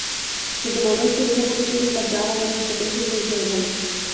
কিন্তু মনে হচ্ছে অভিভাবক হিসেবে, বা যা হবার চেষ্টা করছো সেই হিসেবে ভালো।